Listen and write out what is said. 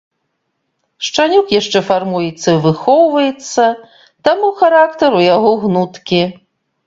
Шчанюк яшчэ фармуецца і выхоўваецца, таму характар у яго гнуткі.